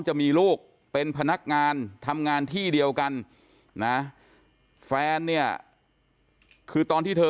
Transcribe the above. จะมีลูกเป็นพนักงานทำงานที่เดียวกันนะแฟนเนี่ยคือตอนที่เธอ